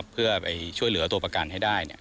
เพื่อไปช่วยเหลือตัวประกันให้ได้